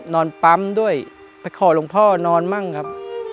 นอนปั๊มด้วยไปขอหลวงพ่อนอนมั่งครับ